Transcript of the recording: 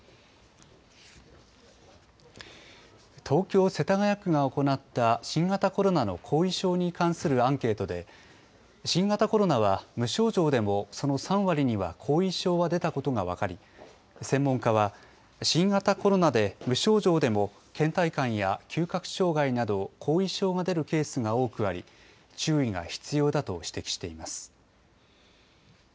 東京・世田谷区が行った新型コロナの後遺症に関するアンケートで、新型コロナは無症状でもその３割には後遺症は出たことが分かり、専門家は新型コロナで無症状でもけん怠感や嗅覚障害など、後遺症が出るケースが多くあり、注意が必要だと指摘しています。